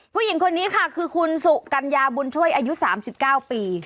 ผู้หญิงคนนี้ค่ะคือคุณสุกัญญาบุญช่วยอายุ๓๙ปี